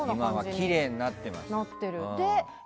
今はきれいになってますね。